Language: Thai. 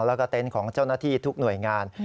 แล้วก็เต็นต์ของเจ้าหน้าที่ทุกหน่วยงาน